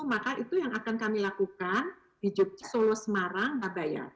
maka itu yang akan kami lakukan di solo semarang ngabayan